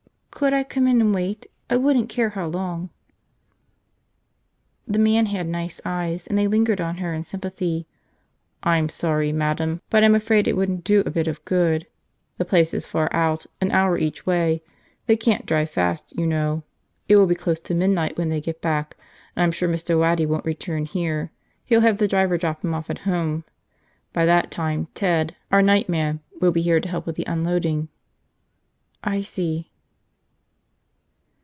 "Could I come in and wait? I wouldn't care how long!" The man had nice eyes and they lingered on her in sympathy. "I'm sorry, madam, but I'm afraid it wouldn't do a bit of good. The place is far out, an hour each way – they can't drive fast, you know. It will be close to midnight when they get back and I'm sure Mr. Waddy won't return here. He'll have the driver drop him off at home. By that time Ted – our night man – will be here to help with the unloading." "I see.